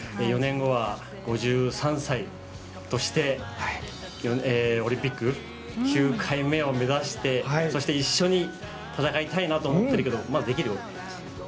４年後は５３歳としてオリンピック９回目を目指してそして、一緒に戦いたいなと思っているけどできる？